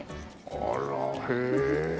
あらへえ。